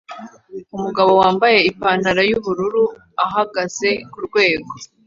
Umugabo wambaye ipantaro yubururu ahagaze kurwego